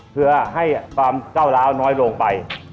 เพื่อให้ความเจ้าเหล้าน้อยลงไป